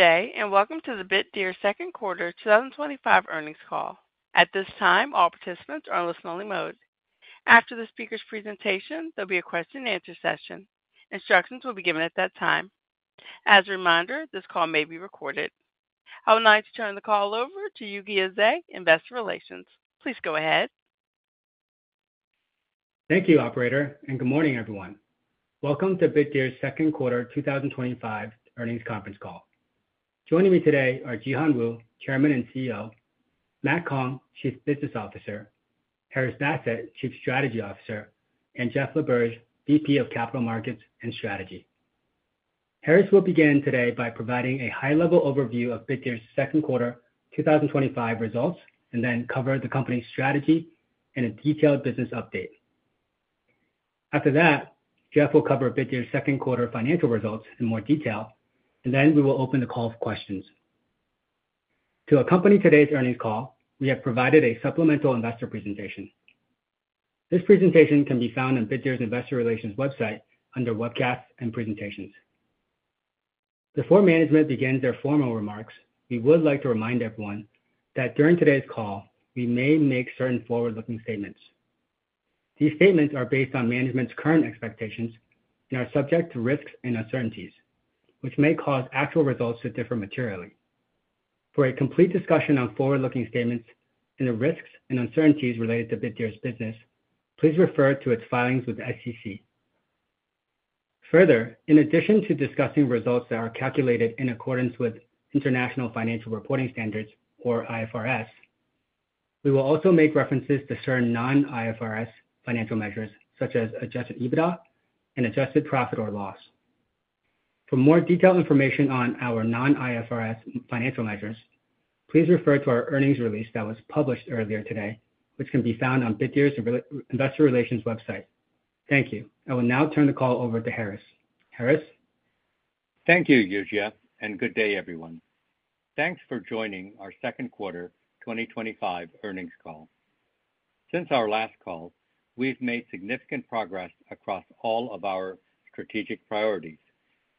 Today, and welcome to the Bitdeer second quarter 2025 earnings call. At this time, all participants are in listen-only mode. After the speaker's presentation, there will be a question-and-answer session. Instructions will be given at that time. As a reminder, this call may be recorded. I will now turn the call over to Yujia Zhai, Investor Relations. Please go ahead. Thank you, operator, and good morning, everyone. Welcome to Bitdeer second quarter 2025 earnings conference call. Joining me today are Jihan Wu, Chairman and CEO, Matt Kong, Chief Business Officer, Haris Basit, Chief Strategy Officer, and Jeff LaBerge, VP of Capital Markets and Strategy. Haris will begin today by providing a high-level overview of Bitdeer second quarter 2025 results and then cover the company's strategy and a detailed business update. After that, Jeff will cover Bitdeer second quarter financial results in more detail, and then we will open the call for questions. To accompany today's earnings call, we have provided a supplemental investor presentation. This presentation can be found on Bitdeer investor relations website under "Webcasts and Presentations." Before management begins their formal remarks, we would like to remind everyone that during today's call, we may make certain forward-looking statements. These statements are based on management's current expectations and are subject to risks and uncertainties, which may cause actual results to differ materially. For a complete discussion on forward-looking statements and the risks and uncertainties related to Bitdeer business, please refer to its filings with the SEC. Further, in addition to discussing results that are calculated in accordance with International Financial Reporting Standards, or IFRS, we will also make references to certain non-IFRS financial measures, such as adjusted EBITDA and adjusted profit or loss. For more detailed information on our non-IFRS financial measures, please refer to our earnings release that was published earlier today, which can be found on Bitdeer Investor Relations website. Thank you. I will now turn the call over to Haris. Haris? Thank you, Yujia, and good day, everyone. Thanks for joining our second quarter 2025 earnings call. Since our last call, we've made significant progress across all of our strategic priorities,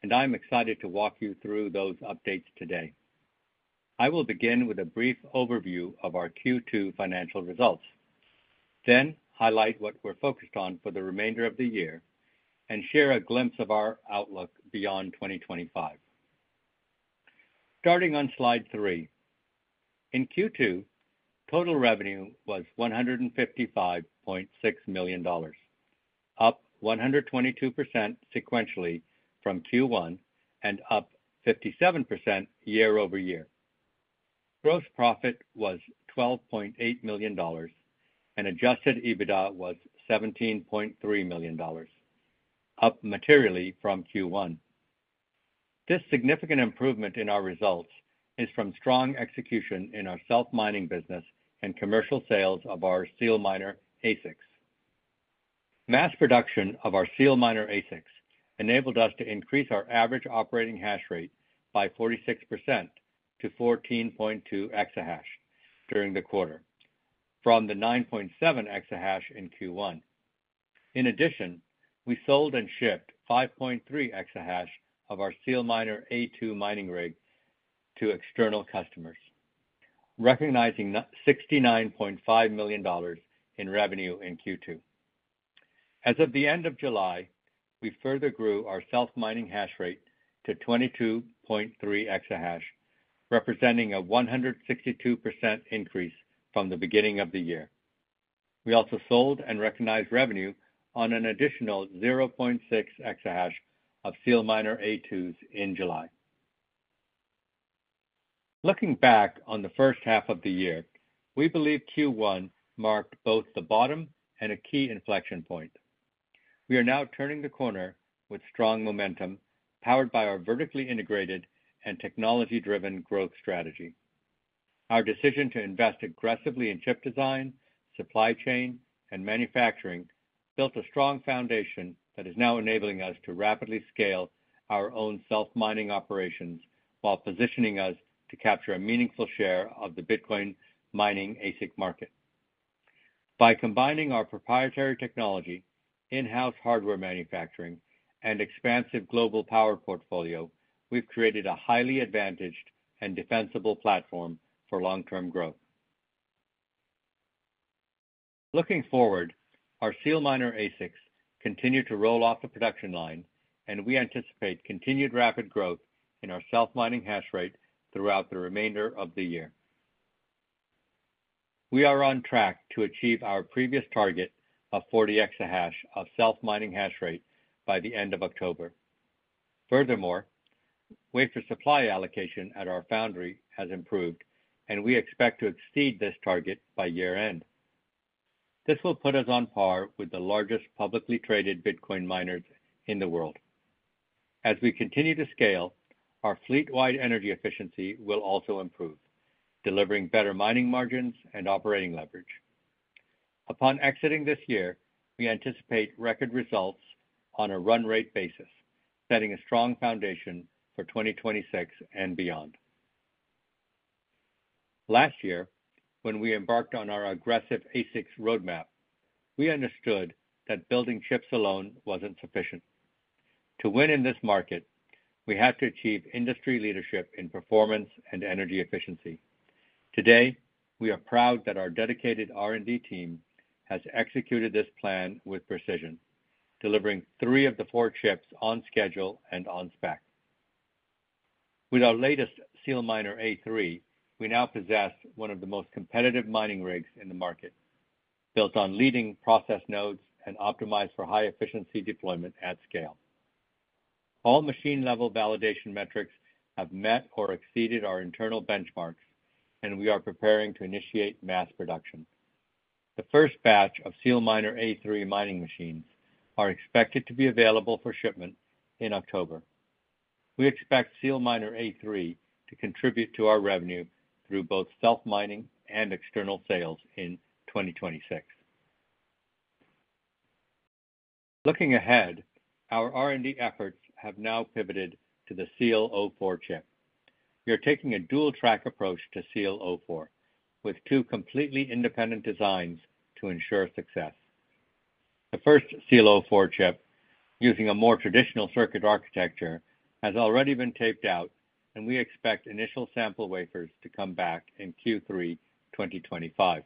and I'm excited to walk you through those updates today. I will begin with a brief overview of our Q2 financial results, then highlight what we're focused on for the remainder of the year and share a glimpse of our outlook beyond 2025. Starting on slide three, in Q2, total revenue was $155.6 million, up 122% sequentially from Q1 and up 57% year-over-year. Gross profit was $12.8 million, and adjusted EBITDA was $17.3 million, up materially from Q1. This significant improvement in our results is from strong execution in our self-mining business and commercial sales of our SEALMINER ASICs. Mass production of our SEALMINER ASICs enabled us to increase our average operating hash rate by 46% to 14.2 exahash during the quarter, from the 9.7 exahash in Q1. In addition, we sold and shipped 5.3 exahash of our SEALMINER A2 mining rig to external customers, recognizing $69.5 million in revenue in Q2. As of the end of July, we further grew our self-mining hash rate to 22.3 exahash, representing a 162% increase from the beginning of the year. We also sold and recognized revenue on an additional 0.6 exahash of SEALMINER A2s in July. Looking back on the first half of the year, we believe Q1 marked both the bottom and a key inflection point. We are now turning the corner with strong momentum, powered by our vertically integrated and technology-driven growth strategy. Our decision to invest aggressively in chip design, supply chain, and manufacturing built a strong foundation that is now enabling us to rapidly scale our own self-mining operations while positioning us to capture a meaningful share of the Bitcoin mining ASIC market. By combining our proprietary technology, in-house hardware manufacturing, and expansive global power portfolio, we've created a highly advantaged and defensible platform for long-term growth. Looking forward, our SEALMINER ASICs continue to roll off the production line, and we anticipate continued rapid growth in our self-mining hash rate throughout the remainder of the year. We are on track to achieve our previous target of 40 exahash of self-mining hash rate by the end of October. Furthermore, wafer supply allocation at our foundry has improved, and we expect to exceed this target by year-end. This will put us on par with the largest publicly traded Bitcoin miners in the world. As we continue to scale, our fleet-wide energy efficiency will also improve, delivering better mining margins and operating leverage. Upon exiting this year, we anticipate record results on a run-rate basis, setting a strong foundation for 2026 and beyond. Last year, when we embarked on our aggressive ASICs roadmap, we understood that building chips alone wasn't sufficient. To win in this market, we have to achieve industry leadership in performance and energy efficiency. Today, we are proud that our dedicated R&D team has executed this plan with precision, delivering three of the four chips on schedule and on spec. With our latest SEALMINER A3, we now possess one of the most competitive mining rigs in the market, built on leading process nodes and optimized for high-efficiency deployment at scale. All machine-level validation metrics have met or exceeded our internal benchmarks, and we are preparing to initiate mass production. The first batch of SEALMINER A3 mining machines is expected to be available for shipment in October. We expect SEALMINER A3 to contribute to our revenue through both self-mining and external sales in 2026. Looking ahead, our R&D efforts have now pivoted to the SEAL04 chip. We are taking a dual-track approach to SEAL04, with two completely independent designs to ensure success. The first SEAL04 chip, using a more traditional circuit architecture, has already been taped out, and we expect initial sample wafers to come back in Q3 2025.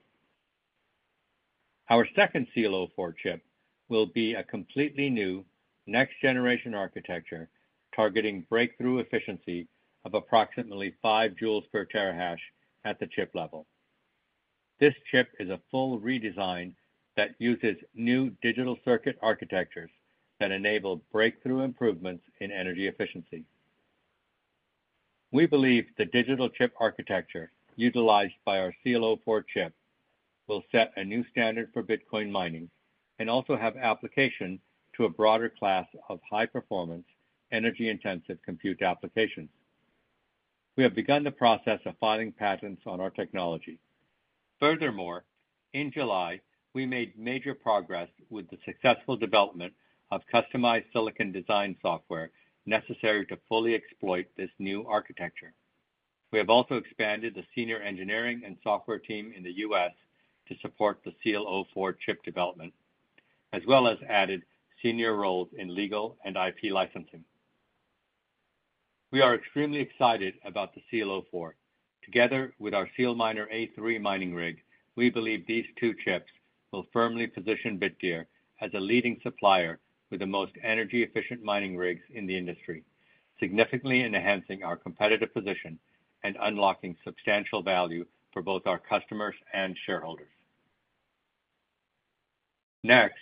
Our second SEAL-04 chip will be a completely new, next-generation architecture targeting breakthrough efficiency of approximately 5 joules per terahash at the chip level. This chip is a full redesign that uses new digital circuit architectures that enable breakthrough improvements in energy efficiency. We believe the digital chip architecture utilized by our SEAL04 chip will set a new standard for Bitcoin mining and also have application to a broader class of high-performance, energy-intensive compute applications. We have begun the process of filing patents on our technology. Furthermore, in July, we made major progress with the successful development of customized silicon design software necessary to fully exploit this new architecture. We have also expanded the senior engineering and software team in the U.S. to support the SEAL04 chip development, as well as added senior roles in legal and IP licensing. We are extremely excited about the SEAL04. Together with our SEALMINER A3 mining rig, we believe these two chips will firmly position Bitdeer as a leading supplier with the most energy-efficient mining rigs in the industry, significantly enhancing our competitive position and unlocking substantial value for both our customers and shareholders. Next,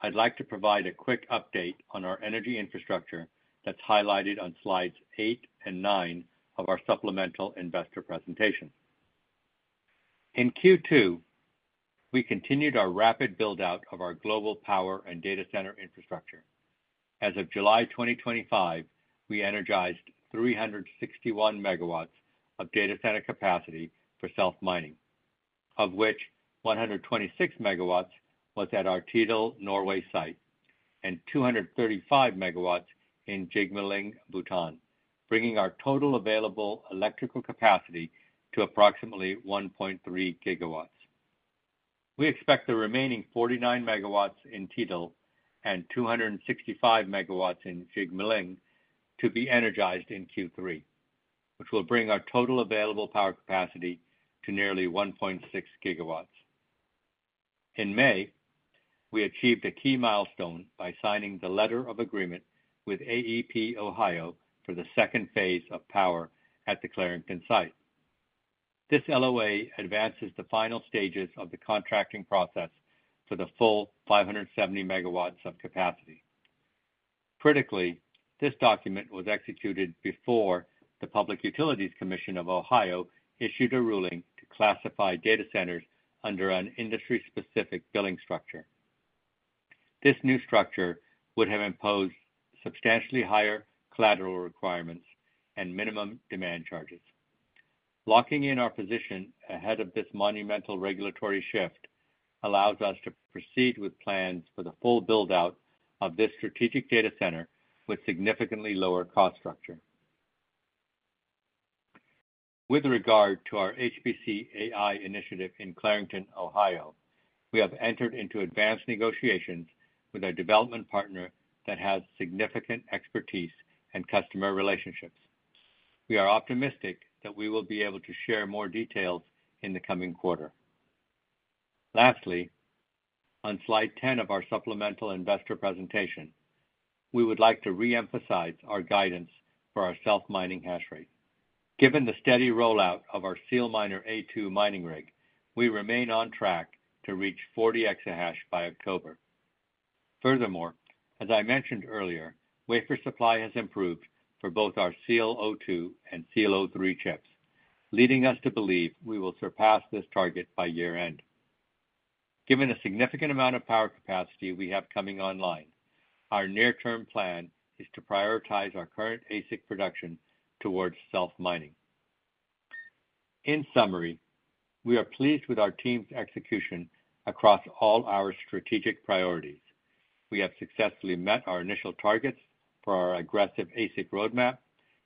I'd like to provide a quick update on our energy infrastructure that's highlighted on slides eight and nine of our supplemental investor presentation. In Q2, we continued our rapid build-out of our global power and data center infrastructure. As of July 2025, we energized 361 MW of data center capacity for self-mining, of which 126 MW was at our Tydal, Norway site, and 235 MW in Jigmeling, Bhutan, bringing our total available electrical capacity to approximately 1.3 GW. We expect the remaining 49 MW in Tydal and 265 MW in Jigmeling to be energized in Q3, which will bring our total available power capacity to nearly 1.6 GW. In May, we achieved a key milestone by signing the letter of agreement with AEP Ohio for the second phase of power at the Clarington site. This LOA advances the final stages of the contracting process for the full 570 MW of capacity. Critically, this document was executed before the Public Utilities Commission of Ohio issued a ruling to classify data centers under an industry-specific billing structure. This new structure would have imposed substantially higher collateral requirements and minimum demand charges. Locking in our position ahead of this monumental regulatory shift allows us to proceed with plans for the full build-out of this strategic data center with significantly lower cost structure. With regard to our HPC AI initiative in Clarington, Ohio, we have entered into advanced negotiations with a development partner that has significant expertise and customer relationships. We are optimistic that we will be able to share more details in the coming quarter. Lastly, on slide 10 of our supplemental investor presentation, we would like to reemphasize our guidance for our self-mining hash rate. Given the steady rollout of our SEALMINER A2 mining rig, we remain on track to reach 40 exahash by October. Furthermore, as I mentioned earlier, wafer supply has improved for both our SEAL02 and SEAL03 chips, leading us to believe we will surpass this target by year-end. Given the significant amount of power capacity we have coming online, our near-term plan is to prioritize our current ASIC production towards self-mining. In summary, we are pleased with our team's execution across all our strategic priorities. We have successfully met our initial targets for our aggressive ASIC roadmap,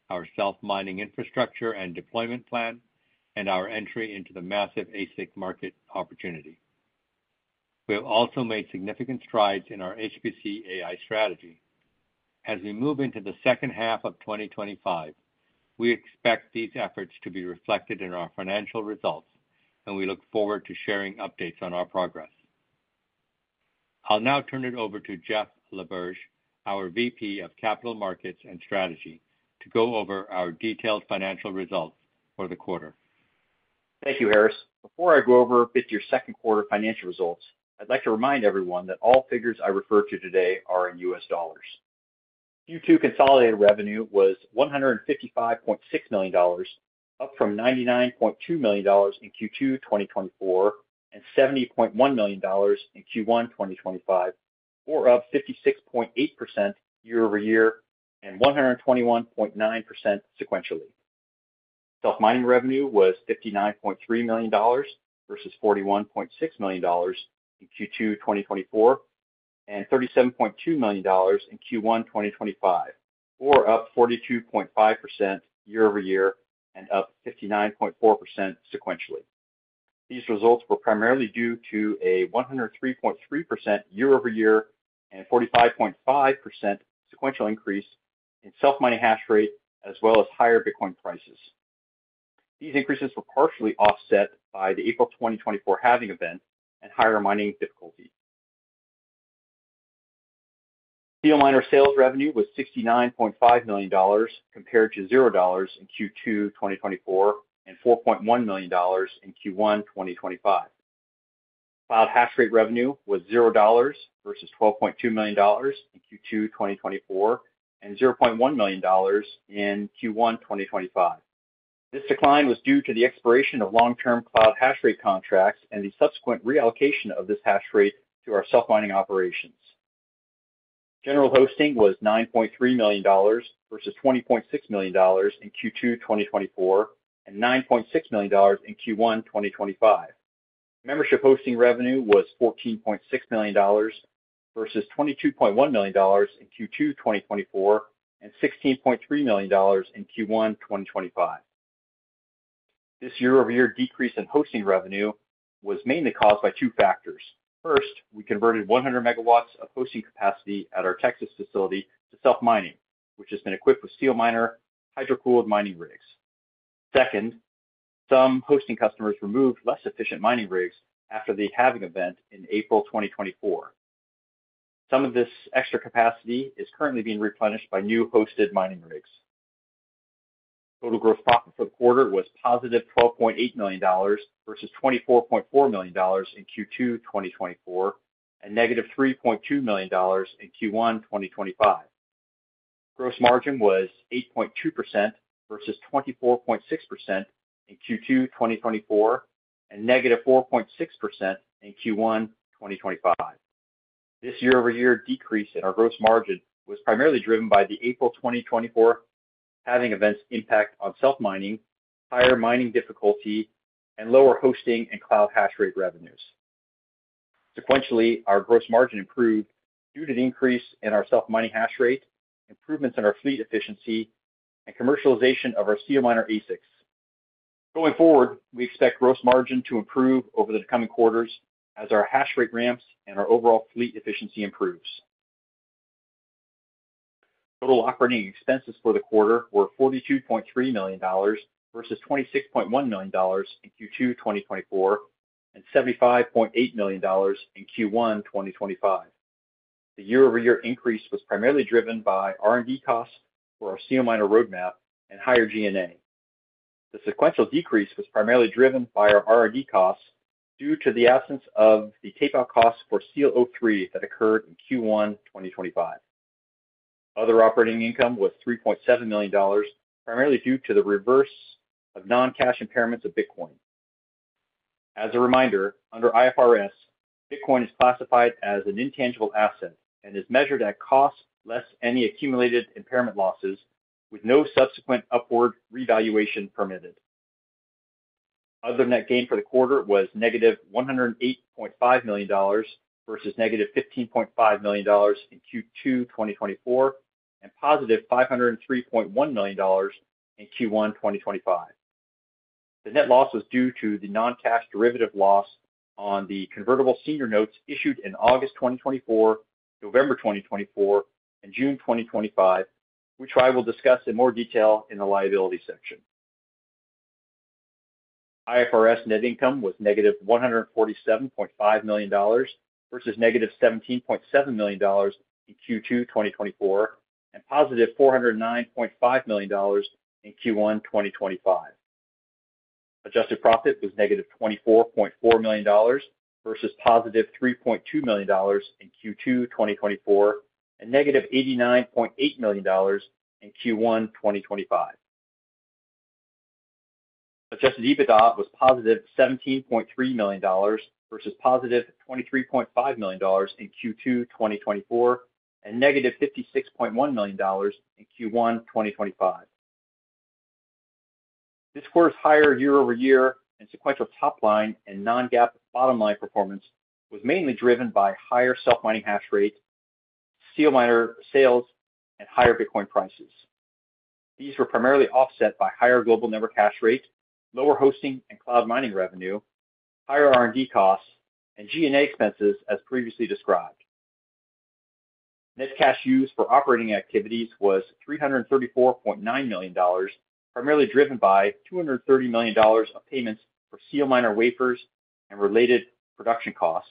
our self-mining infrastructure and deployment plan, and our entry into the massive ASIC market opportunity. We have also made significant strides in our HPC AI strategy. As we move into the second half of 2025, we expect these efforts to be reflected in our financial results, and we look forward to sharing updates on our progress. I'll now turn it over to Jeff LaBerge, our Vice President of Capital Markets and Strategy, to go over our detailed financial results for the quarter. Thank you, Haris. Before I go over Bitdeer second quarter financial results, I'd like to remind everyone that all figures I refer to today are in U.S. dollars. Q2 consolidated revenue was $155.6 million, up from $99.2 million in Q2 2024 and $70.1 million in Q1 2025, or up 56.8% year-over-year and 121.9% sequentially. Self-mining revenue was $59.3 million versus $41.6 million in Q2 2024 and $37.2 million in Q1 2025, or up 42.5% year-over-year and up 59.4% sequentially. These results were primarily due to a 103.3% year-over-year and 45.5% sequential increase in self-mining hash rate, as well as higher Bitcoin prices. These increases were partially offset by the April 2024 halving event and higher mining difficulty. SEALMINER sales revenue was $69.5 million compared to $0 in Q2 2024 and $4.1 million in Q1 2025. Cloud hash rate revenue was $0 versus $12.2 million in Q2 2024 and $0.1 million in Q1 2025. This decline was due to the expiration of long-term cloud hash rate contracts and the subsequent reallocation of this hash rate to our self-mining operations. General hosting was $9.3 million versus $20.6 million in Q2 2024 and $9.6 million in Q1 2025. Membership hosting revenue was $14.6 million versus $22.1 million in Q2 2024 and $16.3 million in Q1 2025. This year-over-year decrease in hosting revenue was mainly caused by two factors. First, we converted 100 MW of hosting capacity at our Texas facility to self-mining, which has been equipped with SEALMINER hydro-cooled mining rigs. Second, some hosting customers removed less efficient mining rigs after the halving event in April 2024. Some of this extra capacity is currently being replenished by new hosted mining rigs. Total gross profit for the quarter was positive $12.8 million versus $24.4 million in Q2 2024 and -$3.2 million in Q1 2025. Gross margin was 8.2% versus 24.6% in Q2 2024 and -4.6% in Q1 2025. This year-over-year decrease in our gross margin was primarily driven by the April 2024 halving event's impact on self-mining, higher mining difficulty, and lower hosting and cloud hash rate revenues. Sequentially, our gross margin improved due to the increase in our self-mining hash rate, improvements in our fleet efficiency, and commercialization of our SEALMINER ASICs. Going forward, we expect gross margin to improve over the coming quarters as our hash rate ramps and our overall fleet efficiency improves. Total operating expenses for the quarter were $42.3 million versus $26.1 million in Q2 2024 and $75.8 million in Q1 2025. The year-over-year increase was primarily driven by R&D costs for our SEALMINER roadmap and higher G&A. The sequential decrease was primarily driven by our R&D costs due to the absence of the tape-out costs for SEAL03 that occurred in Q1 2025. Other operating income was $3.7 million, primarily due to the reversal of non-cash impairments of Bitcoin. As a reminder, under IFRS, Bitcoin is classified as an intangible asset and is measured at cost less any accumulated impairment losses, with no subsequent upward revaluation permitted. Other net gain for the quarter was negative $108.5 million versus -$15.5 million in Q2 2024 and positive $503.1 million in Q1 2025. The net loss was due to the non-cash derivative loss on the convertible senior notes issued in August 2024, November 2024, and June 2025, which I will discuss in more detail in the liability section. IFRS net income was -$147.5 million versus -$17.7 million in Q2 2024 and -$409.5 million in Q1 2025. Adjusted profit was -$24.4 million versus +$3.2 million in Q2 2024 and -$89.8 million in Q1 2025. Adjusted EBITDA was +$17.3 million versus +$23.5 million in Q2 2024 and -$56.1 million in Q1 2025. This quarter's higher year-over-year and sequential top-line and non-GAAP bottom-line performance was mainly driven by higher self-mining hash rate, SEALMINER sales, and higher Bitcoin prices. These were primarily offset by higher global network hash rate, lower hosting and cloud mining revenue, higher R&D costs, and G&A expenses as previously described. Net cash used for operating activities was $334.9 million, primarily driven by $230 million of payments for SEALMINER wafers and related production costs,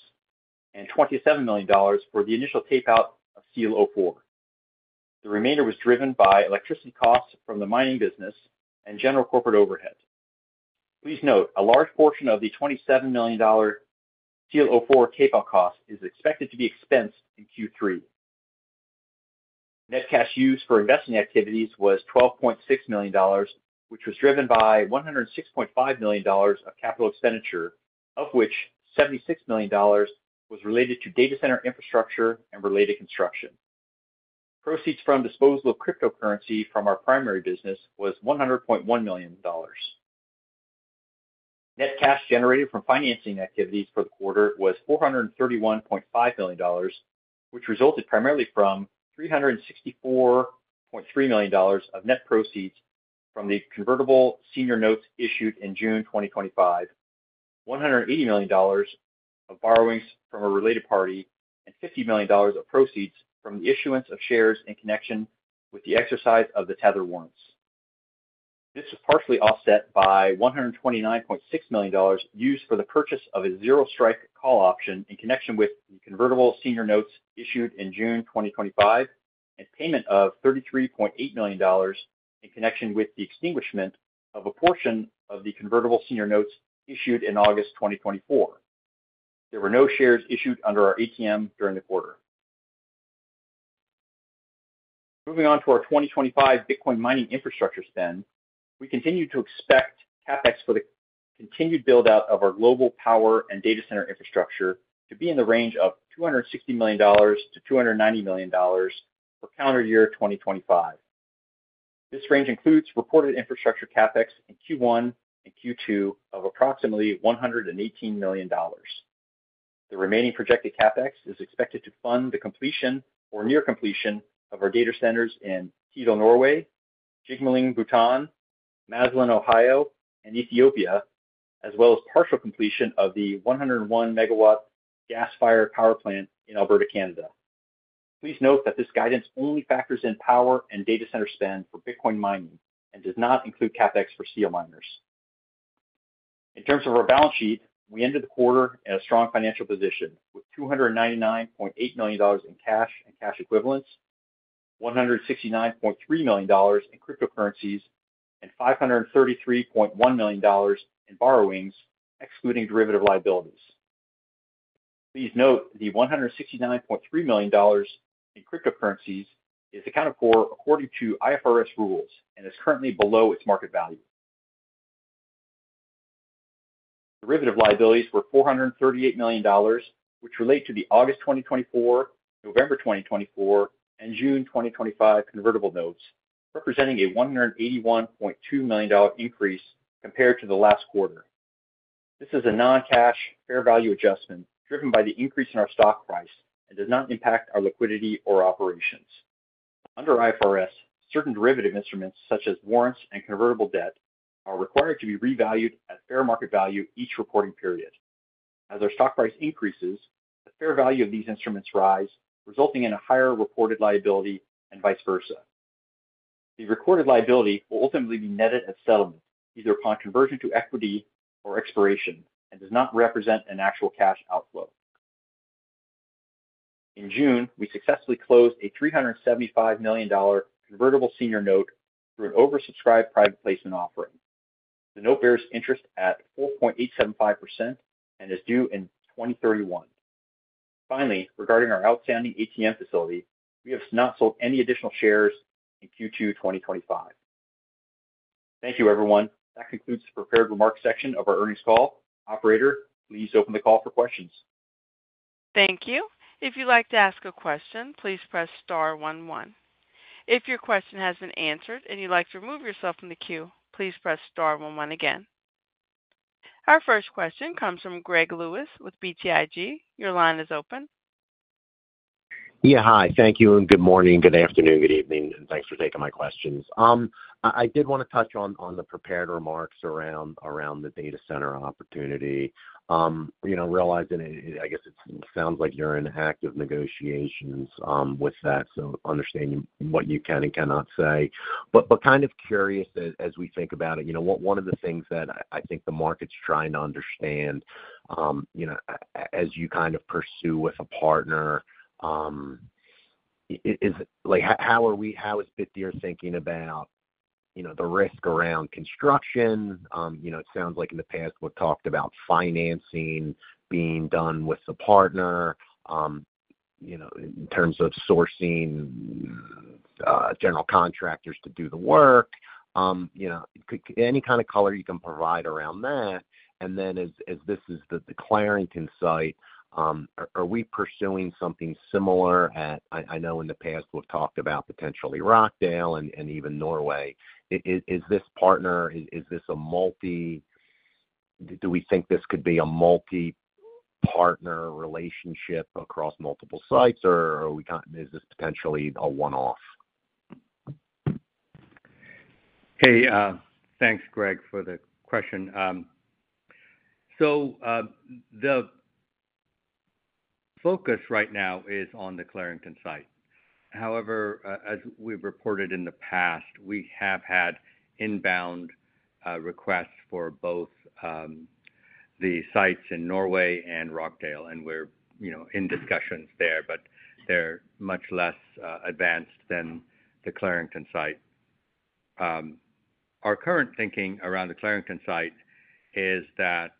and $27 million for the initial tape-out of SEAL04. The remainder was driven by electricity costs from the mining business and general corporate overhead. Please note, a large portion of the $27 million SEAL04 tape-out cost is expected to be expensed in Q3. Net cash used for investing activities was $12.6 million, which was driven by $106.5 million of capital expenditure, of which $76 million was related to data center infrastructure and related construction. Proceeds from disposable cryptocurrency from our primary business was $100.1 million. Net cash generated from financing activities for the quarter was $431.5 million, which resulted primarily from $364.3 million of net proceeds from the convertible senior notes issued in June 2025, $180 million of borrowings from a related party, and $50 million of proceeds from the issuance of shares in connection with the exercise of the tether warrants. This was partially offset by $129.6 million used for the purchase of a zero-strike call option in connection with the convertible senior notes issued in June 2025 and payment of $33.8 million in connection with the extinguishment of a portion of the convertible senior notes issued in August 2024. There were no shares issued under our ATM during the quarter. Moving on to our 2025 Bitcoin mining infrastructure spend, we continue to expect CapEx for the continued build-out of our global power and data center infrastructure to be in the range of $260 million-$290 million for calendar year 2025. This range includes reported infrastructure CapEx in Q1 and Q2 of approximately $118 million. The remaining projected CapEx is expected to fund the completion or near completion of our data centers in Tydal Norway, Jigmeling Bhutan, Massillon, Ohio, and Ethiopia, as well as partial completion of the 101 MW gas-fired power plant in Alberta, Canada. Please note that this guidance only factors in power and data center spend for Bitcoin mining and does not include CapEx for SEALMINERs. In terms of our balance sheet, we ended the quarter in a strong financial position with $299.8 million in cash and cash equivalents, $169.3 million in cryptocurrencies, and $533.1 million in borrowings, excluding derivative liabilities. Please note the $169.3 million in cryptocurrencies is accounted for according to IFRS rules and is currently below its market value. Derivative liabilities were $438 million, which relate to the August 2024, November 2024, and June 2025 convertible notes, representing a $181.2 million increase compared to the last quarter. This is a non-cash fair value adjustment driven by the increase in our stock price and does not impact our liquidity or operations. Under IFRS, certain derivative instruments, such as warrants and convertible debt, are required to be revalued at fair market value each reporting period. As our stock price increases, the fair value of these instruments rise, resulting in a higher reported liability and vice versa. The recorded liability will ultimately be netted at settlement, either upon conversion to equity or expiration, and does not represent an actual cash outflow. In June, we successfully closed a $375 million convertible senior note through an oversubscribed private placement offering. The note bears interest at 4.875% and is due in 2031. Finally, regarding our outstanding ATM facility, we have not sold any additional shares in Q2 2025. Thank you, everyone. That concludes the prepared remarks section of our earnings call. Operator, please open the call for questions. Thank you. If you'd like to ask a question, please press star one, one. If your question has been answered and you'd like to remove yourself from the queue, please press star one one again. Our first question comes from Greg Lewis with BTIG. Your line is open. Yeah, hi. Thank you. Good morning, good afternoon, good evening, and thanks for taking my questions. I did want to touch on the prepared remarks around the data center opportunity. Realizing I guess it sounds like you're in active negotiations with that, so understanding what you can and cannot say. Kind of curious that as we think about it, one of the things that I think the market's trying to understand as you pursue with a partner is how is Bitdeer thinking about the risk around construction? It sounds like in the past we've talked about financing being done with a partner in terms of sourcing general contractors to do the work. Any kind of color you can provide around that? As this is the Clarington site, are we pursuing something similar at, I know in the past we've talked about potentially Rockdale and even Norway. Is this partner, do we think this could be a multi-partner relationship across multiple sites, or is this potentially a one-off? Hey, thanks, Greg, for the question. The focus right now is on the Clarington site. However, as we've reported in the past, we have had inbound requests for both the sites in Norway and Rockdale, and we're in discussions there, but they're much less advanced than the Clarington site. Our current thinking around the Clarington site is that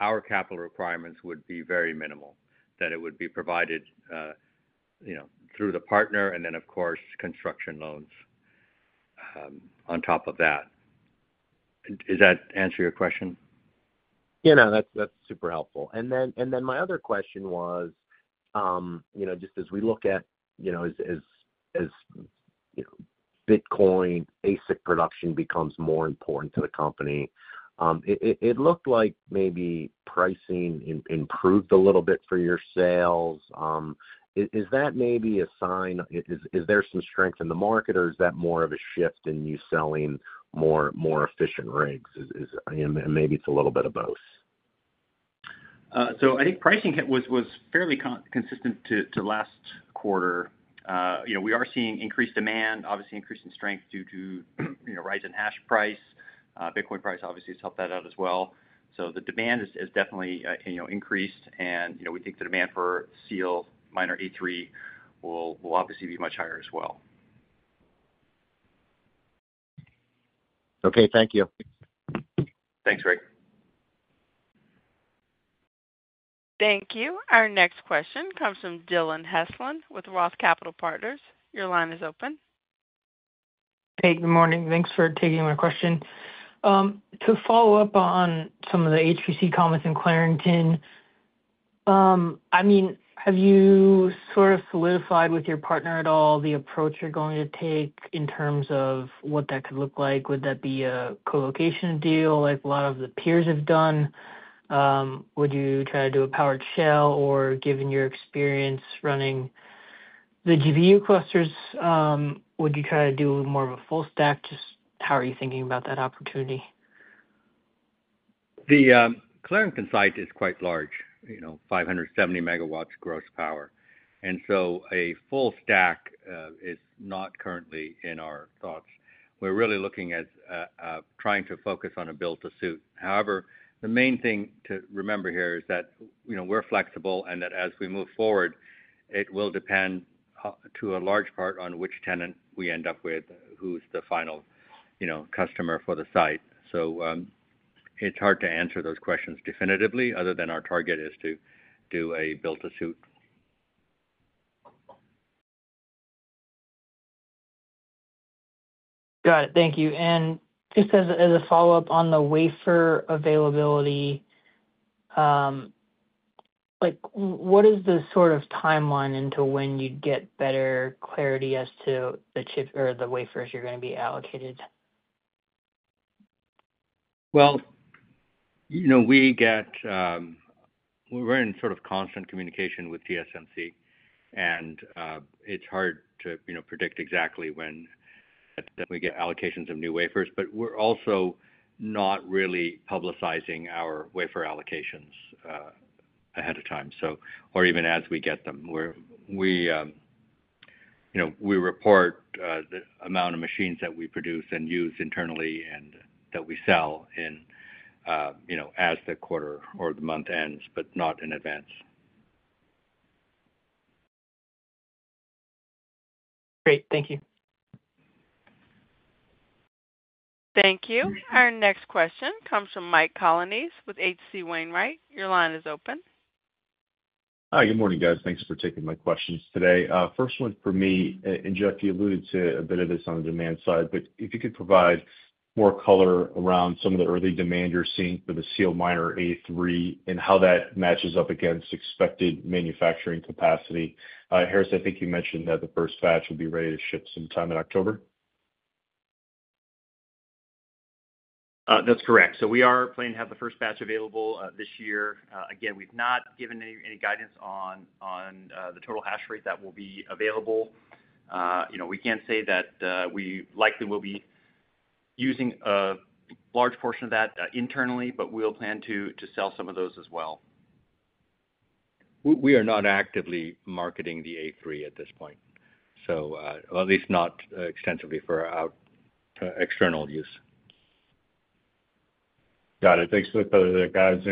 our capital requirements would be very minimal, that it would be provided through the partner and then, of course, construction loans on top of that. Does that answer your question? Yeah, no, that's super helpful. My other question was, just as we look at, you know, as Bitcoin ASIC production becomes more important to the company, it looked like maybe pricing improved a little bit for your sales. Is that maybe a sign, is there some strength in the market, or is that more of a shift in you selling more efficient rigs? Maybe it's a little bit of both. I think pricing was fairly consistent to last quarter. We are seeing increased demand, obviously increasing strength due to rising hash price. Bitcoin price obviously has helped that out as well. The demand has definitely increased, and we think the demand for SEALMINER A3 will obviously be much higher as well. Okay, thank you. Thanks, Greg. Thank you. Our next question comes from Dylan Heslin with Roth Capital Partners. Your line is open. Hey, good morning. Thanks for taking my question. To follow up on some of the HPC comments in Clarington, have you sort of solidified with your partner at all the approach you're going to take in terms of what that could look like? Would that be a colocation deal like a lot of the peers have done? Would you try to do a powered shell, or given your experience running the GPU clusters, would you try to do more of a full stack? Just how are you thinking about that opportunity? The Clarington site is quite large, you know, 570 MW gross power. A full stack is not currently in our thoughts. We're really looking at trying to focus on a build-to-suit. However, the main thing to remember here is that we're flexible and that as we move forward, it will depend to a large part on which tenant we end up with, who's the final customer for the site. It's hard to answer those questions definitively other than our target is to do a build-to-suit. Got it. Thank you. Just as a follow-up on the wafer availability, what is the sort of timeline into when you get better clarity as to the chip or the wafers you're going to be allocated? We get, we're in sort of constant communication with TSMC, and it's hard to predict exactly when we get allocations of new wafers, but we're also not really publicizing our wafer allocations ahead of time. We report the amount of machines that we produce and use internally and that we sell as the quarter or the month ends, but not in advance. Great. Thank you. Thank you. Our next question comes from Mike Colonnese with HC Wainwright. Your line is open. Hi, good morning, guys. Thanks for taking my questions today. First one for me, and Jeff, you alluded to a bit of this on the demand side, but if you could provide more color around some of the early demand you're seeing for the SEALMINER A3 and how that matches up against expected manufacturing capacity. Haris, I think you mentioned that the first batch will be ready to ship sometime in October. That's correct. We are planning to have the first batch available this year. Again, we've not given any guidance on the total hash rate that will be available. We can say that we likely will be using a large portion of that internally, but we'll plan to sell some of those as well. We are not actively marketing the SEALMINER A3 at this point, at least not extensively for our external use. Got it. Thanks for the clarity, guys.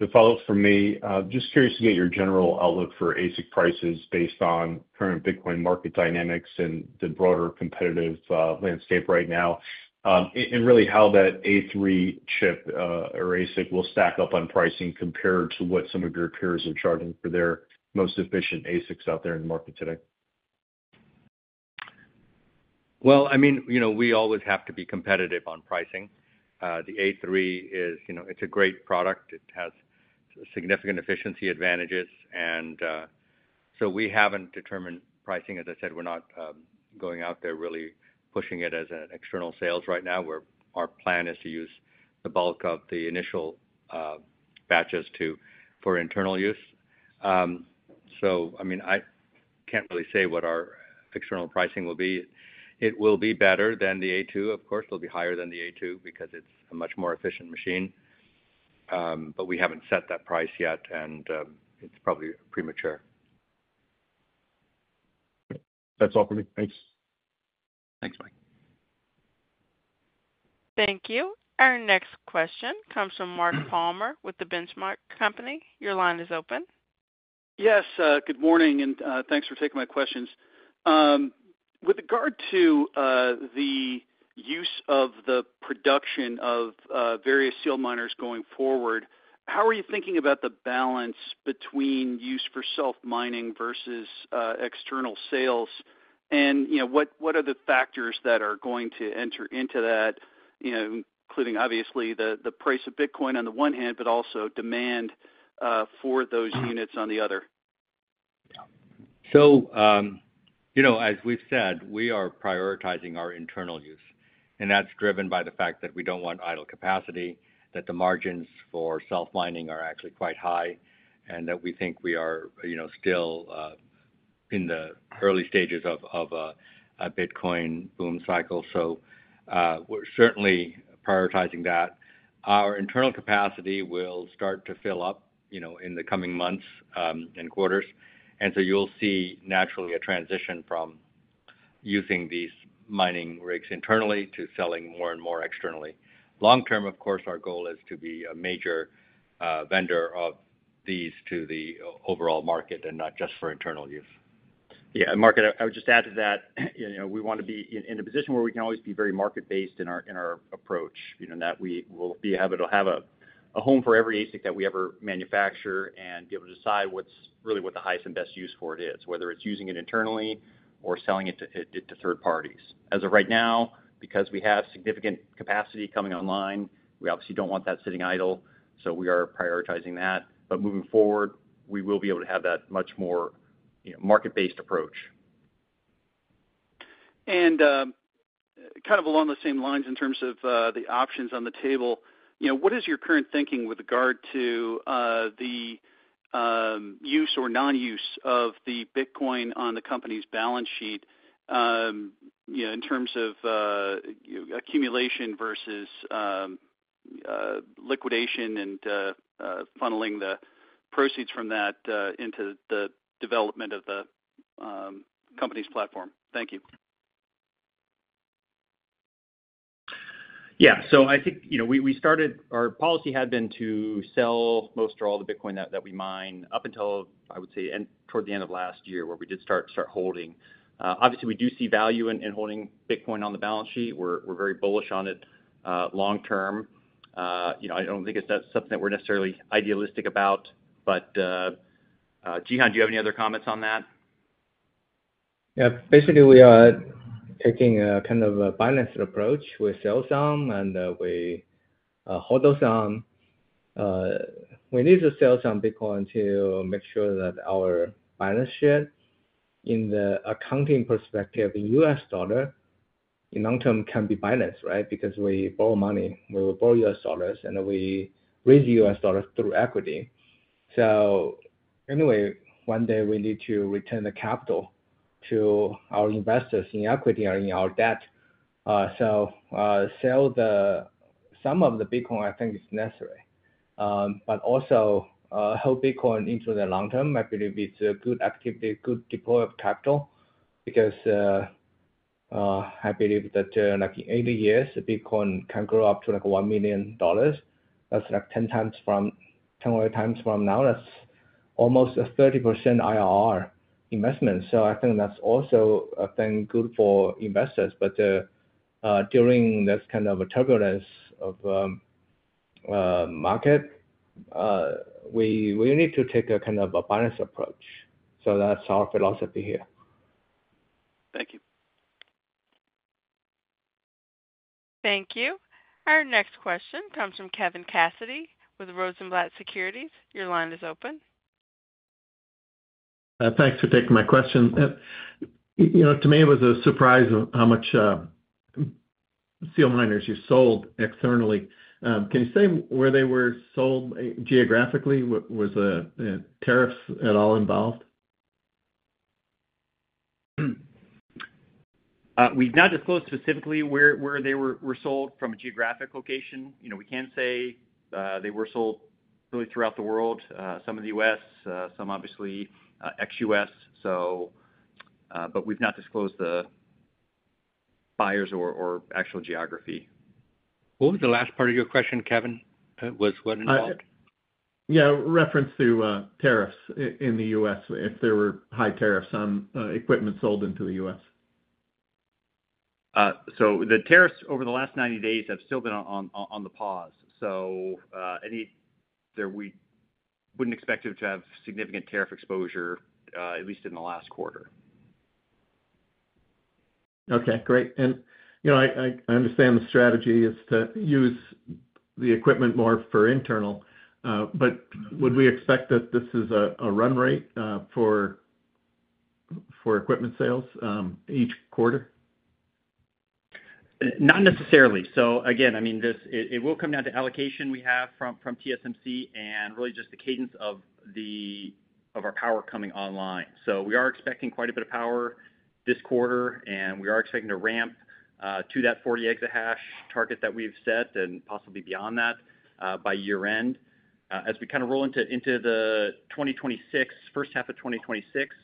The follow-ups from me, I'm just curious to get your general outlook for ASIC prices based on current Bitcoin market dynamics and the broader competitive landscape right now. Really how that SEALMINER A3 chip or ASIC will stack up on pricing compared to what some of your peers are charging for their most efficient ASICs out there in the market today. I mean, you know, we always have to be competitive on pricing. The A3 is, you know, it's a great product. It has significant efficiency advantages. We haven't determined pricing. As I said, we're not going out there really pushing it as an external sales right now. Our plan is to use the bulk of the initial batches for internal use. I mean, I can't really say what our external pricing will be. It will be better than the A2. Of course, it'll be higher than the A2 because it's a much more efficient machine. We haven't set that price yet, and it's probably premature. That's all for me. Thanks. Thanks, Mike. Thank you. Our next question comes from Mark Palmer with The Benchmark Company. Your line is open. Yes, good morning, and thanks for taking my questions. With regard to the use of the production of various SEALMINER units going forward, how are you thinking about the balance between use for self-mining versus external sales? What are the factors that are going to enter into that, including obviously the price of Bitcoin on the one hand, but also demand for those units on the other? As we've said, we are prioritizing our internal use. That's driven by the fact that we don't want idle capacity, that the margins for self-mining are actually quite high, and that we think we are still in the early stages of a Bitcoin boom cycle. We're certainly prioritizing that. Our internal capacity will start to fill up in the coming months and quarters, so you'll see naturally a transition from using these mining rigs internally to selling more and more externally. Long term, of course, our goal is to be a major vendor of these to the overall market and not just for internal use. Yeah, Mark, I would just add to that, you know, we want to be in a position where we can always be very market-based in our approach, in that we will be able to have a home for every ASIC that we ever manufacture and be able to decide what's really what the highest and best use for it is, whether it's using it internally or selling it to third parties. As of right now, because we have significant capacity coming online, we obviously don't want that sitting idle. We are prioritizing that. Moving forward, we will be able to have that much more, you know, market-based approach. Kind of along the same lines in terms of the options on the table, what is your current thinking with regard to the use or non-use of the Bitcoin on the company's balance sheet, in terms of accumulation versus liquidation and funneling the proceeds from that into the development of the company's platform? Thank you. Yeah, I think we started, our policy had been to sell most or all the Bitcoin that we mine up until, I would say, toward the end of last year where we did start holding. Obviously, we do see value in holding Bitcoin on the balance sheet. We're very bullish on it long term. I don't think it's something that we're necessarily idealistic about. Jihan, do you have any other comments on that? Yeah, basically, we are taking a kind of a balanced approach. We sell some and we hold some. We need to sell some Bitcoin to make sure that our balance sheet in the accounting perspective in U.S. dollars in the long term can be balanced, right? Because we borrow money, we will borrow U.S. dollars, and then we raise the U.S. dollars through equity. Anyway, one day we need to return the capital to our investors in equity or in our debt. To sell some of the Bitcoin I think is necessary, but also hold Bitcoin into the long term. I believe it's a good activity, good deploy of capital because I believe that in 80 years, the Bitcoin can grow up to like $1 million. That's like 10x from now. That's almost a 30% IRR investment. I think that's also a thing good for investors. During this kind of a turbulence of the market, we need to take a kind of a balanced approach. That's our philosophy here. Thank you. Thank you. Our next question comes from Kevin Cassidy with Rosenblatt Securities. Your line is open. Thanks for taking my question. To me, it was a surprise how much SEALMINERs you sold externally. Can you say where they were sold geographically? Were the tariffs at all involved? We did not disclose specifically where they were sold from a geographic location. We can say they were sold really throughout the world, some in the U.S., some obviously ex-U.S. We've not disclosed the buyers or actual geography. What was the last part of your question, Kevin? Was what involved? Yeah, reference to tariffs in the U.S. if there were high tariffs on equipment sold into the U.S. The tariffs over the last 90 days have still been on the pause. Anything, we wouldn't expect to have significant tariff exposure, at least in the last quarter. Okay, great. I understand the strategy is to use the equipment more for internal. Would we expect that this is a run rate for equipment sales each quarter? Not necessarily. It will come down to allocation we have from TSMC and really just the cadence of our power coming online. We are expecting quite a bit of power this quarter, and we are expecting to ramp to that 40 exahash target that we've set and possibly beyond that by year-end. As we kind of roll into the first half of 2026,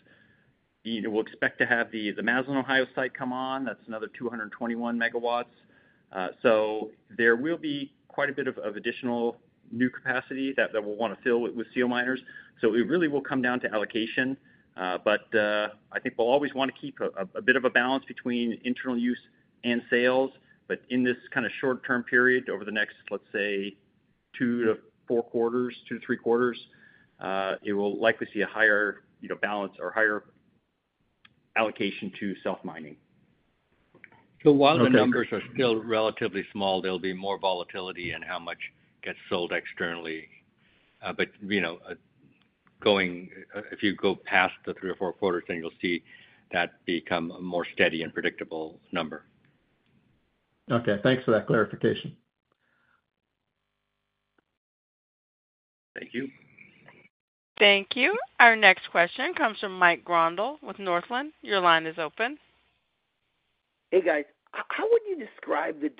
we'll expect to have the Massillon, Ohio site come on. That's another 221 MW. There will be quite a bit of additional new capacity that we'll want to fill with SEALMINERs. It really will come down to allocation. I think we'll always want to keep a bit of a balance between internal use and sales. In this kind of short-term period over the next, let's say, two to four quarters, two to three quarters, it will likely see a higher balance or higher allocation to self-mining. While the numbers are still relatively small, there'll be more volatility in how much gets sold externally. If you go past the three or four quarters, then you'll see that become a more steady and predictable number. Okay, thanks for that clarification. Thank you. Thank you. Our next question comes from Mike Grondal with Northland. Your line is open. Hey, guys. How would you describe the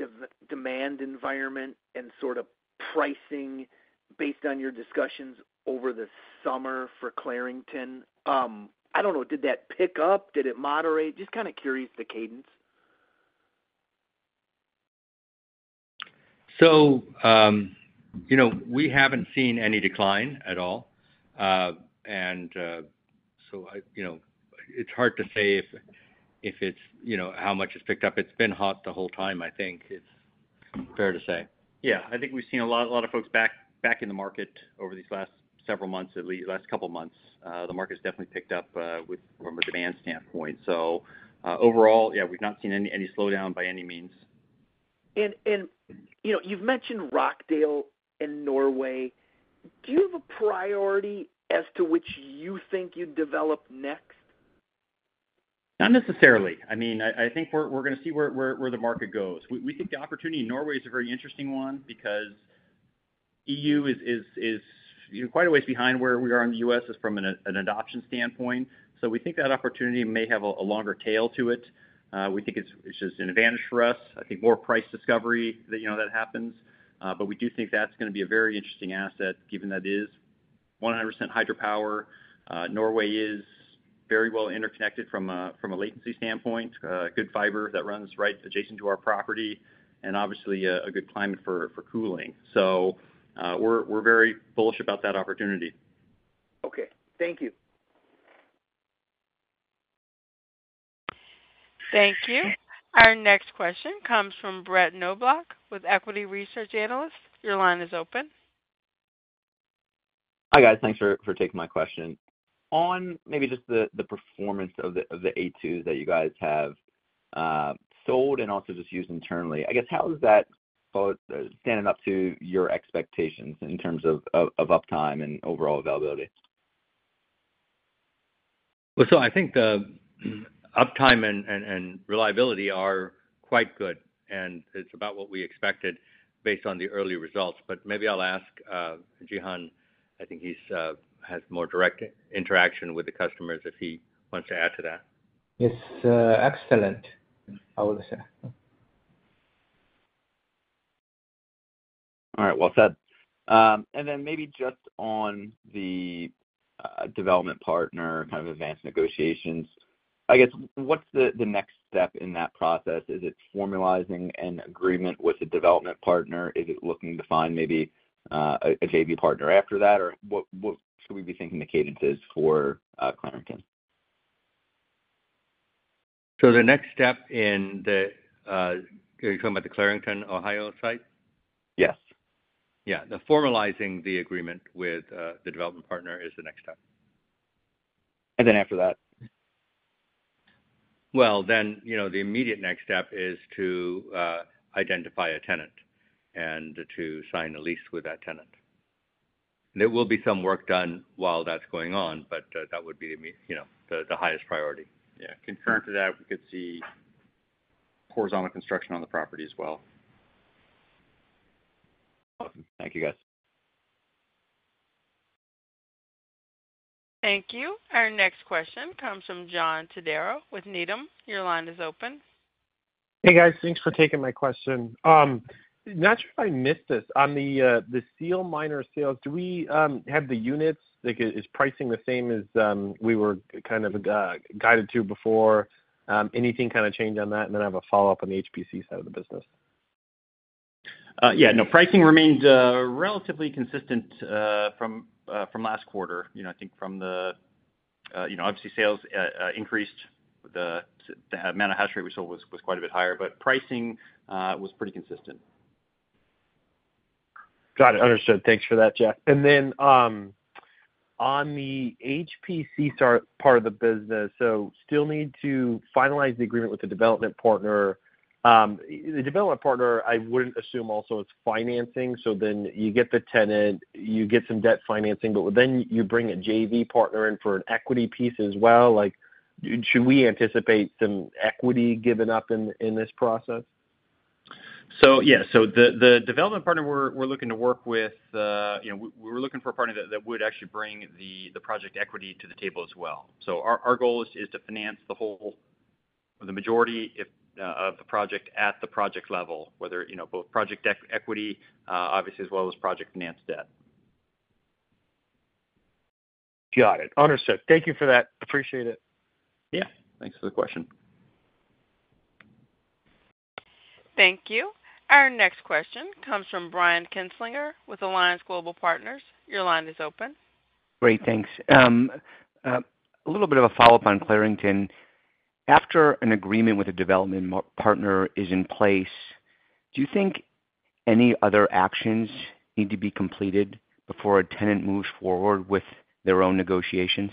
demand environment and sort of pricing based on your discussions over the summer for Clarington? Did that pick up? Did it moderate? Just kind of curious the cadence. We haven't seen any decline at all. It's hard to say if it's, you know, how much it's picked up. It's been hot the whole time, I think. It's fair to say. Yeah, I think we've seen a lot of folks back in the market over these last several months, at least the last couple of months. The market's definitely picked up from a demand standpoint. Overall, yeah, we've not seen any slowdown by any means. You've mentioned Rockdale and Norway. Do you have a priority as to which you think you'd develop next? Not necessarily. I mean, I think we're going to see where the market goes. We think the opportunity in Norway is a very interesting one because the EU is quite a ways behind where we are in the U.S. from an adoption standpoint. We think that opportunity may have a longer tail to it. We think it's just an advantage for us. I think more price discovery that happens. We do think that's going to be a very interesting asset given that it is 100% hydropower. Norway is very well interconnected from a latency standpoint, good fiber that runs right adjacent to our property, and obviously a good climate for cooling. We're very bullish about that opportunity. Okay, thank you. Thank you. Our next question comes from Brett Noblock with Equity Research Analyst. Your line is open. Hi guys, thanks for taking my question. On maybe just the performance of the SEALMINER A2 that you guys have sold and also just used internally, I guess how is that both standing up to your expectations in terms of uptime and overall availability? I think the uptime and reliability are quite good, and it's about what we expected based on the early results. Maybe I'll ask Jihan, I think he has more direct interaction with the customers if he wants to add to that. It's excellent, I would say. All right, well said. Maybe just on the development partner kind of advanced negotiations, I guess what's the next step in that process? Is it formalizing an agreement with the development partner? Is it looking to find maybe a JV partner after that? What should we be thinking the cadence is for Clarington? Are you talking about the Clarington, Ohio site? Yes. Yeah, formalizing the agreement with the development partner is the next step. After that? The immediate next step is to identify a tenant and to sign a lease with that tenant. There will be some work done while that's going on, but that would be the highest priority. Yeah, concurrent to that, we could see horizontal construction on the property as well. Awesome. Thank you, guys. Thank you. Our next question comes from John Todaro with Needham. Your line is open. Hey, guys, thanks for taking my question. Not sure if I missed this. On the SEALMINER sales, do we have the units? Is pricing the same as we were kind of guided to before? Did anything kind of change on that? I have a follow-up on the HPC side of the business. Yeah, no, pricing remains relatively consistent from last quarter. I think from the, you know, obviously sales increased. The amount of hash rate we sold was quite a bit higher, but pricing was pretty consistent. Got it. Understood. Thanks for that, Jeff. On the HPC part of the business, you still need to finalize the agreement with the development partner. The development partner, I wouldn't assume also is financing. You get the tenant, you get some debt financing, but you bring a JV partner in for an equity piece as well. Should we anticipate some equity given up in this process? The development partner we're looking to work with, we were looking for a partner that would actually bring the project equity to the table as well. Our goal is to finance the whole or the majority of the project at the project level, both project equity, obviously, as well as project financed debt. Got it. Understood. Thank you for that. Appreciate it. Yeah, thanks for the question. Thank you. Our next question comes from Brian Kinstlinger with Alliance Global Partners. Your line is open. Great, thanks. A little bit of a follow-up on Clarington. After an agreement with a development partner is in place, do you think any other actions need to be completed before a tenant moves forward with their own negotiations?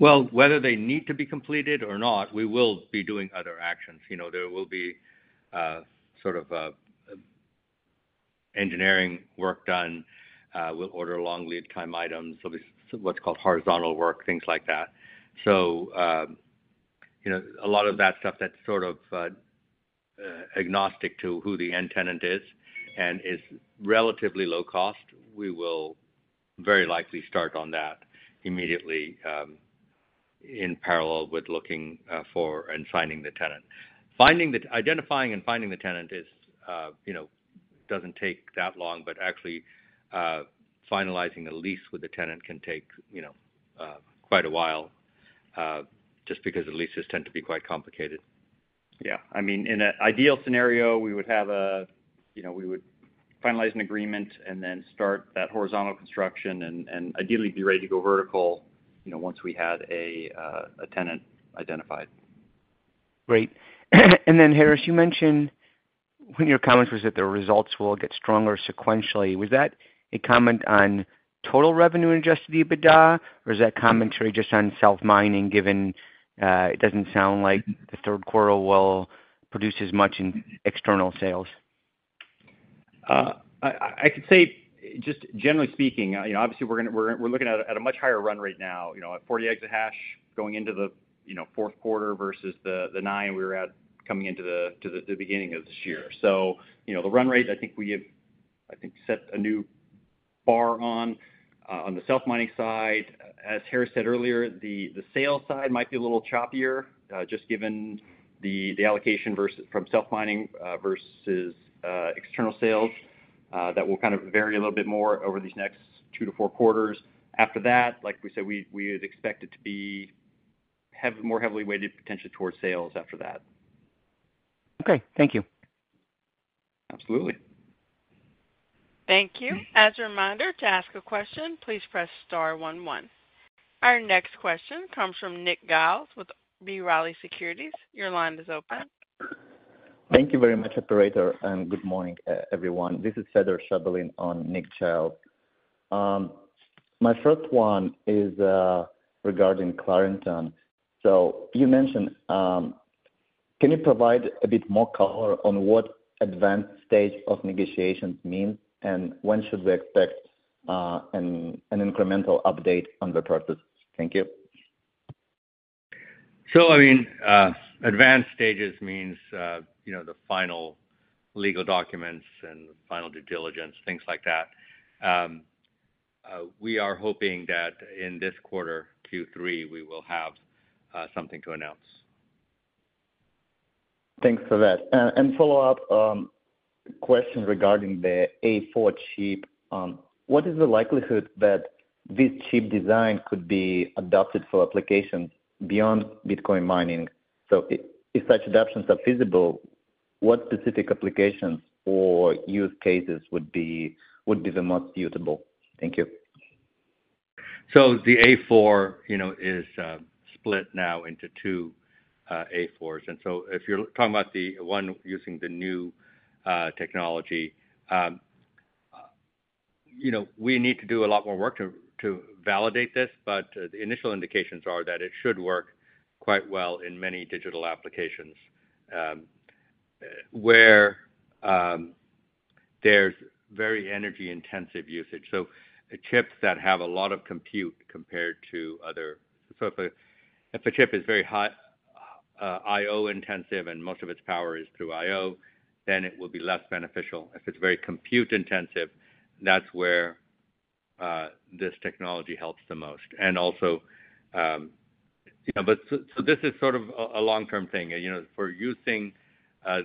Whether they need to be completed or not, we will be doing other actions. There will be sort of engineering work done. We'll order long lead time items. There will be what's called horizontal work, things like that. A lot of that stuff that's sort of agnostic to who the end tenant is and is relatively low cost, we will very likely start on that immediately in parallel with looking for and finding the tenant. Finding, identifying, and finding the tenant doesn't take that long, but actually finalizing a lease with the tenant can take quite a while, just because the leases tend to be quite complicated. Yeah, in an ideal scenario, we would have a, you know, we would finalize an agreement and then start that horizontal construction and ideally be ready to go vertical once we had a tenant identified. Great. Haris, you mentioned one of your comments was that the results will get stronger sequentially. Was that a comment on total revenue and just the EBITDA, or is that commentary just on self-mining given it doesn't sound like the third quarter will produce as much in external sales? I could say just generally speaking, obviously we're looking at a much higher run rate now at 40 exahash going into the fourth quarter versus the nine we were at coming into the beginning of this year. The run rate, I think we have set a new bar on the self-mining side. As Haris said earlier, the sales side might be a little choppier just given the allocation from self-mining versus external sales. That will kind of vary a little bit more over these next two to four quarters. After that, like we said, we would expect it to be more heavily weighted potentially towards sales after that. Okay, thank you. Absolutely. Thank you. As a reminder, to ask a question, please press star one, one. Our next question comes from Nick Giles with B. Riley Securities. Your line is open. Thank you very much, operator, and good morning, everyone. This is Fedar Shabalin on Nick Giles. My first one is regarding Clarington. You mentioned, can you provide a bit more color on what advanced stage of negotiation means and when should we expect an incremental update on the purchase? Thank you. Advanced stages means, you know, the final legal documents and final due diligence, things like that. We are hoping that in this quarter, Q3, we will have something to announce. Thank you for that. A follow-up question regarding the SEAL-04 chip. What is the likelihood that this chip design could be adopted for applications beyond Bitcoin mining? If such adoptions are feasible, what specific application or use cases would be the most suitable? Thank you. The A4 is split now into two A4s. If you're talking about the one using the new technology, we need to do a lot more work to validate this, but the initial indications are that it should work quite well in many digital applications where there's very energy-intensive usage. Chips that have a lot of compute compared to others will benefit. If a chip is very high I/O intensive and most of its power is through I/O, then it will be less beneficial. If it's very compute intensive, that's where this technology helps the most. This is sort of a long-term thing. For using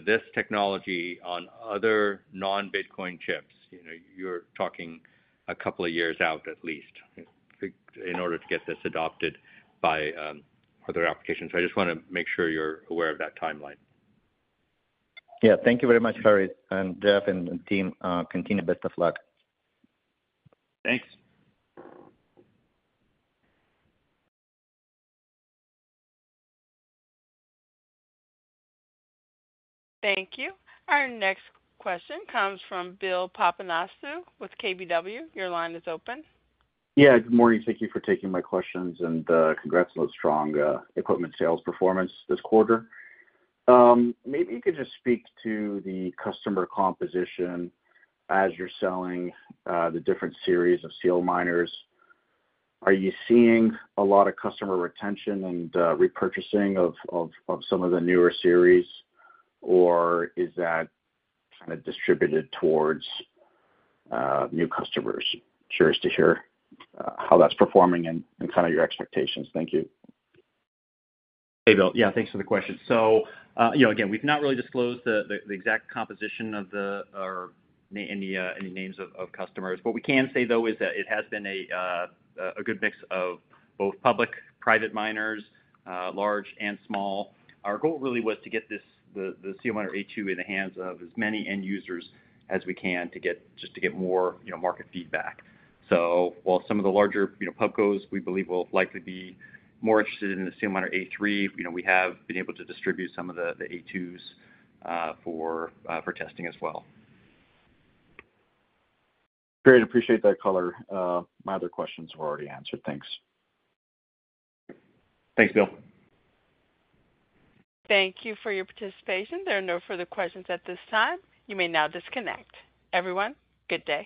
this technology on other non-Bitcoin chips, you're talking a couple of years out at least in order to get this adopted by other applications. I just want to make sure you're aware of that timeline. Thank you very much, Haris. Jeff and the team, continue best of luck. Thanks. Thank you. Our next question comes from Bill Papanastasiou with KBW. Your line is open. Yeah, good morning. Thank you for taking my questions and congrats on the strong equipment sales performance this quarter. Maybe you could just speak to the customer composition as you're selling the different series of SEALMINERs. Are you seeing a lot of customer retention and repurchasing of some of the newer series, or is that kind of distributed towards new customers? Curious to hear how that's performing and kind of your expectations. Thank you. Hey, Bill. Yeah, thanks for the question. We've not really disclosed the exact composition or any names of customers. What we can say, though, is that it has been a good mix of both public and private miners, large and small. Our goal really was to get the SEALMINER A2 in the hands of as many end users as we can to get more market feedback. While some of the larger PUBCOs, we believe, will likely be more interested in the SEALMINER A3, we have been able to distribute some of the A2s for testing as well. Great. Appreciate that color. My other questions were already answered. Thanks. Thanks, Bill. Thank you for your participation. There are no further questions at this time. You may now disconnect. Everyone, good day.